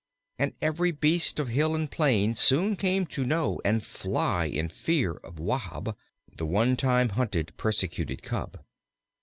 And every beast of hill and plain soon came to know and fly in fear of Wahb, the one time hunted, persecuted Cub.